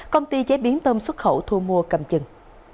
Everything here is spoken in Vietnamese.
công ty chế biến tôm xuất khẩu thu mua cầm chừng